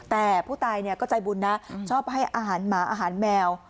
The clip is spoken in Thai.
แต่ผู้ตายก็ใจบุญนะชอบให้อาหารหมาอาหารแมว